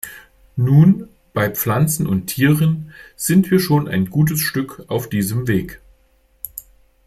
Nun, bei Pflanzen und Tieren sind wir schon ein gutes Stück auf diesem Weg.